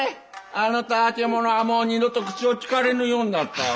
あのたわけ者はもう二度と口を利かれぬようになったわ。